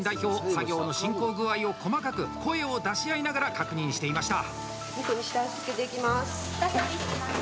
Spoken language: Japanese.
作業の進行具合を細かく声を出し合いながら確認していました。